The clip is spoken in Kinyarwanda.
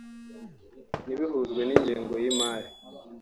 ntibihuzwe n’ingengo y’imari